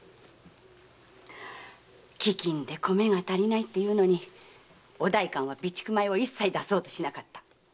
飢饉で米が足りないっていうのにお代官は備蓄米を一切出そうとしなかった。